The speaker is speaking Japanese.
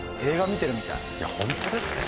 いやホントですね。